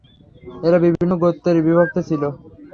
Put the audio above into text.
এরা বিভিন্ন গোত্রে বিভক্ত ছিল।